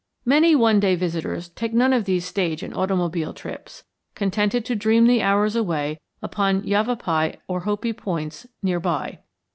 Many one day visitors take none of these stage and automobile trips, contented to dream the hours away upon Yavapai or Hopi Points near by.